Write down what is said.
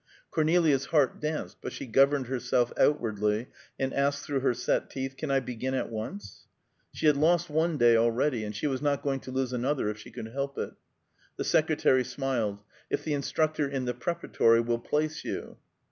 Cornelia's heart danced, but she governed herself outwardly, and asked through her set teeth, "Can I begin at once?" She had lost one day already, and she was not going to lose another if she could help it. The secretary smiled. "If the instructor in the Preparatory will place you."